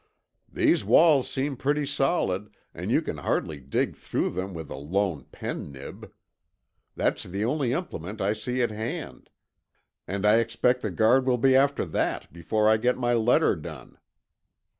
"These walls seem pretty solid, and you can hardly dig through them with a lone pen nib. That's the only implement I see at hand. And I expect the guard will be after that before I get my letter done."